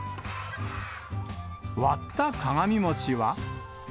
割った鏡餅は。